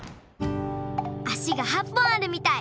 あしが８ぽんあるみたい。